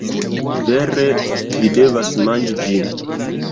Vere vi devas manĝi ĝin.